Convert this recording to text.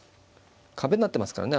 壁になってますからね